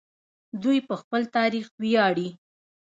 دوی په خپل تاریخ ویاړي.